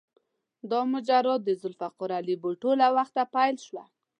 دا ماجرا د ذوالفقار علي بوټو له وخته پیل شوه.